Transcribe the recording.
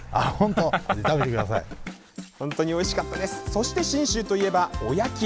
そして、信州といえばおやき。